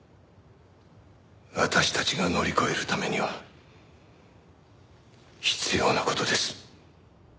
私たちが乗り越えるためには必要な事です。